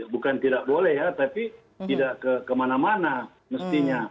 bukan tidak boleh ya tapi tidak kemana mana mestinya